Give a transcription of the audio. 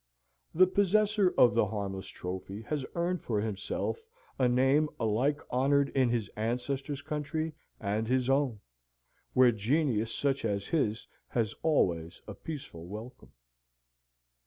The possessor of the harmless trophy has earned for himself a name alike honoured in his ancestors' country and his own, where genius such as his has always a peaceful welcome.